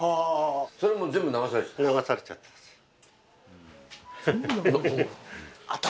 それ、もう全部流されちゃった。